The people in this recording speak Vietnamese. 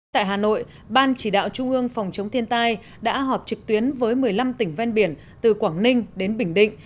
tại hà nội ban chỉ đạo trung ương phòng chống thiên tai đã họp trực tuyến với một mươi năm tỉnh ven biển từ quảng ninh đến bình định